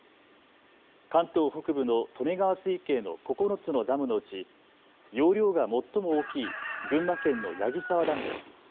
関東北部の利根川水系の９つのダムのうち、容量が最も大きい群馬県の矢木沢ダムです。